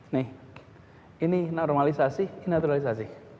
nih ini normalisasi ini naturalisasi